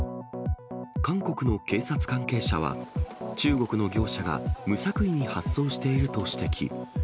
韓国の警察関係者は、中国の業者が無作為に発送していると指摘。